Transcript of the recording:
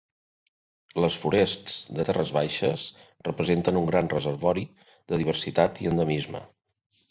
Les forests de terres baixes representen un gran reservori de diversitat i endemisme.